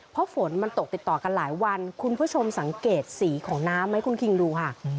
เพราะฝนมันตกติดต่อกันหลายวันคุณผู้ชมสังเกตสีของน้ำไหมคุณคิงดูค่ะ